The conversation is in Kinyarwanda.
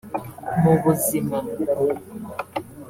mu buzima